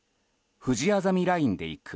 ふじあざみラインで行く！